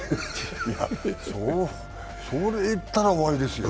それ言ったら終わりですよ。